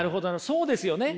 そうですよね。